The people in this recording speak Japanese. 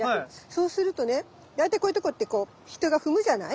そうするとね大体こういうとこってこう人が踏むじゃない？